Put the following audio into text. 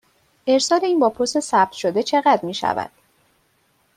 ارسال این با پست ثبت شده چقدر می شود؟